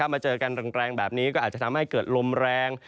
มาเจอกันแรงแบบนี้ก็อาจจะทำให้เกิดลมแรง